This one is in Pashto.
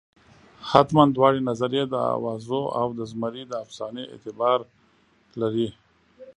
حتمالاً دواړه نظریې د اوازو او د زمري د افسانې اعتبار لري.